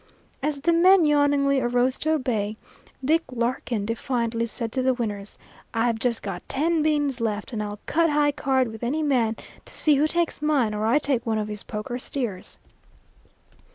As the men yawningly arose to obey, Dick Larkin defiantly said to the winners, "I've just got ten beans left, and I'll cut high card with any man to see who takes mine or I take one of his poker steers."